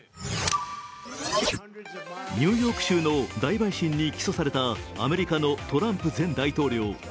ニューヨーク州の大陪審に起訴されたアメリカのトランプ前大統領。